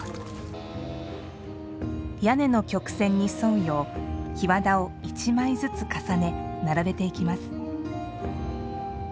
屋根の曲線に沿うよう檜皮を一枚ずつ重ね並べていきます。